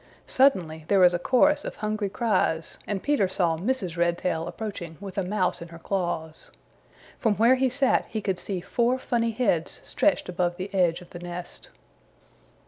Suddenly there was a chorus of hungry cries and Peter saw Mrs. Redtail approaching with a Mouse in her claws. From where he sat he could see four funny heads stretched above the edge of the nest.